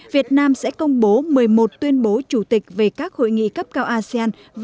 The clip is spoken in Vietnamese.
việt nam sẽ công bố một mươi một tuyên bố chủ tịch về các hội nghị cấp cao asean